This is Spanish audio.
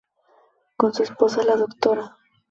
Con su esposa, la Dra.